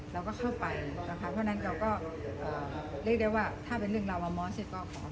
เราก็เข้าไปนะคะเพราะฉะนั้นเราก็เอ่อเรียกได้ว่าถ้าเป็นเรื่องราวมอสก็ขออภัย